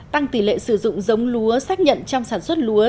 tăng tỷ lệ sử dụng giống lúa xác nhận trong sản xuất lúa